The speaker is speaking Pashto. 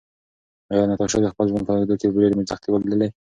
ایا ناتاشا د خپل ژوند په اوږدو کې ډېرې سختۍ ولیدلې؟